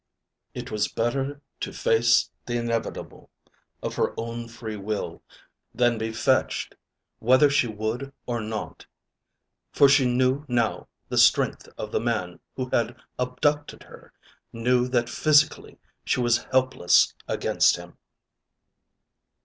It was better to face the inevitable of her own free will than be fetched whether she would or not. For she knew now the strength of the man who had abducted her, knew that physically she was helpless against him.